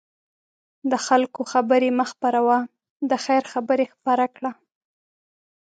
د خلکو خبرې مه خپره وه، د خیر خبرې خپره کړه.